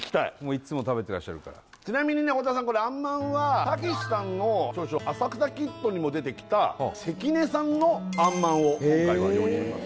いつも食べてらっしゃるからちなみに太田さんあんまんはたけしさんの著書「浅草キッド」にも出てきたセキネさんのあんまんを今回は用意してます